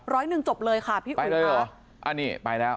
ร้อยหนึ่งจบเลยค่ะพี่อุ่นค่ะไปเลยหรืออันนี้ไปแล้ว